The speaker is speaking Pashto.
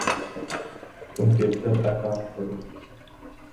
کمپيوټر اکاونټ لري.